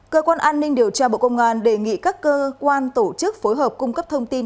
cơ quan an ninh điều tra bộ công an đề nghị các cơ quan tổ chức phối hợp cung cấp thông tin